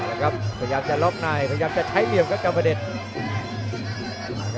พยายามจะล็อคไนต์พยายามจะใช้เหลียมกับก้าวพะเดชน์